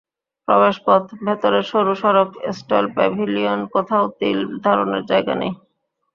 প্রবেশপথ, ভেতরের সরু সড়ক, স্টল, প্যাভিলিয়ন কোথাও তিল ধারণের জায়গা নেই।